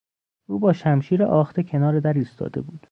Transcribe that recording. او با شمشیر آخته کنار در ایستاده بود.